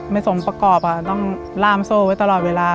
สมประกอบต้องล่ามโซ่ไว้ตลอดเวลา